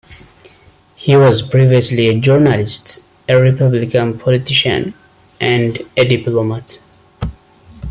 He was previously a journalist, a Republican politician, and a diplomat.